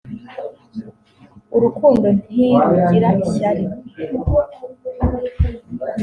urukundo ntirugira ishyari